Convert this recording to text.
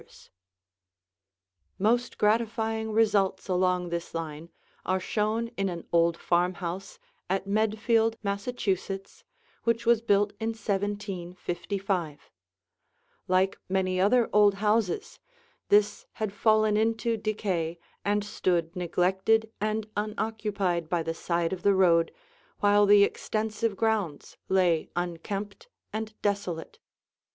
[Illustration: THE DAVENPORT BROWN HOUSE] Most gratifying results along this line are shown in an old farmhouse at Medfield, Massachusetts, which was built in 1755. Like many other old houses, this had fallen into decay and stood neglected and unoccupied by the side of the road while the extensive grounds lay unkempt and desolate.